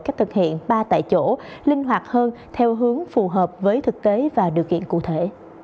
cách thực hiện ba tại chỗ linh hoạt hơn theo hướng phù hợp với thực tế và điều kiện cụ thể